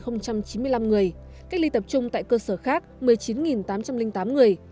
chín mươi năm người cách ly tập trung tại cơ sở khác một mươi chín tám trăm linh tám người